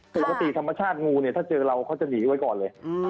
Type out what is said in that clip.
ปกติธรรมชาติงูเนี่ยถ้าเจอเราเขาจะหนีไว้ก่อนเลย